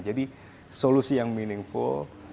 jadi solusi yang meaningful